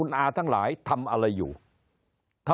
คนในวงการสื่อ๓๐องค์กร